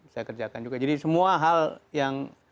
saya kerjakan juga jadi semua hal yang